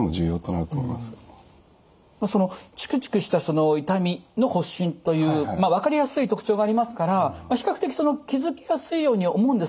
そのチクチクした痛みの発疹という分かりやすい特徴がありますから比較的気付きやすいように思うんですけれどもいかがでしょうか？